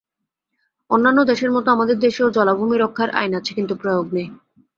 অন্যান্য দেশের মতো আমাদের দেশেও জলাভূমি রক্ষার আইন আছে কিন্তু প্রয়োগ নেই।